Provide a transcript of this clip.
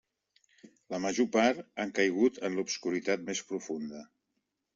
La major part han caigut en l'obscuritat més profunda.